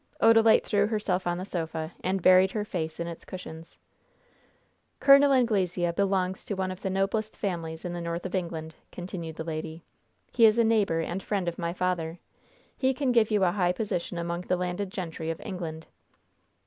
Odalite threw herself on the sofa, and buried her face in its cushions. "Col. Anglesea belongs to one of the noblest families in the north of England," continued the lady. "He is a neighbor and friend of my father. He can give you a high position among the landed gentry of England."